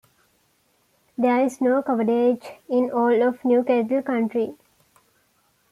There is no coverage in all of New Castle County.